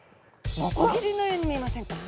ノコギリのように見えませんか？